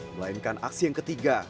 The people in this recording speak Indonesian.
melainkan aksi yang ketiga